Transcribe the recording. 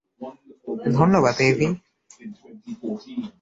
ধন্যবাদ, এডি।